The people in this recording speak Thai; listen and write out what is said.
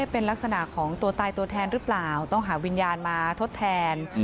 เป็นลักษณะของตัวตายตัวแทนหรือเปล่าต้องหาวิญญาณมาทดแทน